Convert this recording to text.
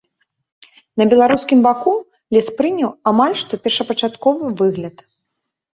На беларускім баку лес прыняў амаль што першапачатковы выгляд.